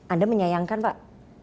anda menyayangkan pak